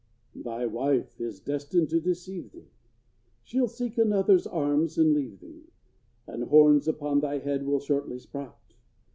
Thy wife is destined to deceive thee! She'll seek another's arms and leave thee, And horns upon thy head will shortly sprout!